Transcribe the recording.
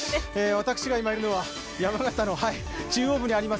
私が今いるのは山形の中央部にあります